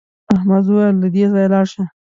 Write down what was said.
احمد وویل له دې ځایه لاړ شه.